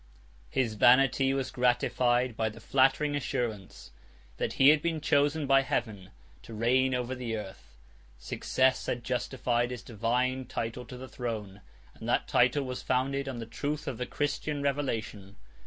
His vanity was gratified by the flattering assurance, that he had been chosen by Heaven to reign over the earth; success had justified his divine title to the throne, and that title was founded on the truth of the Christian revelation.